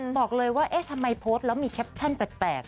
บอกเลยว่าเอ๊ะทำไมโพสต์แล้วมีแคปชั่นแปลก